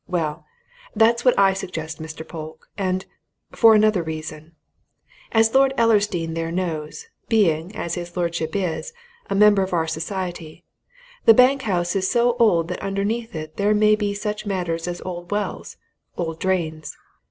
Well that's what I suggest, Mr. Polke. And for another reason. As Lord Ellersdeane there knows being, as his lordship is, a member of our society the bank house is so old that underneath it there may be such matters as old wells, old drains.